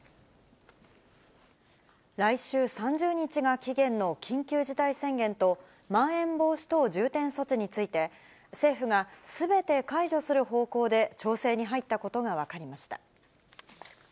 来週３０日が期限の緊急事態宣言と、まん延防止等重点措置について、政府がすべて解除する方向で調整に入ったことが分かりました。